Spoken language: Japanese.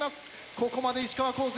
ここまで石川高専